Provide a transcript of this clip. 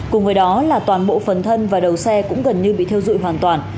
cùng với đó là toàn bộ phần thân và đầu xe cũng gần như bị theo dụi hoàn toàn